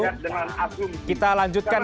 kita lanjutkan nanti diskusinya di lain jam